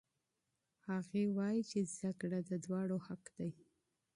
هغې وایي چې زده کړه د دواړو حق دی.